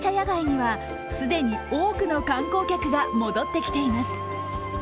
街には既に多くの観光客が戻ってきています。